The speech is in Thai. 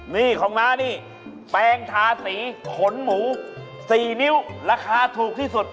นี่ของน้านี่แปลงทาสีขนหมู๔นิ้วราคาถูกที่สุด